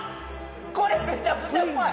これめちゃくちゃうまい！